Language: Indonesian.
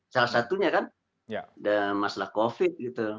salah satunya kan masalah covid